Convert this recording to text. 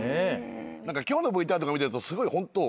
今日のＶＴＲとか見てるとすごいホント。